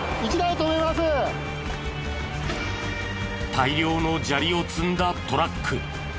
大量の砂利を積んだトラック。